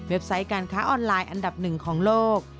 ไซต์การค้าออนไลน์อันดับหนึ่งของโลก